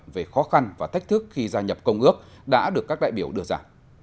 về khó khăn và thách thức khi gia nhập công ước đã được các đại biểu đưa ra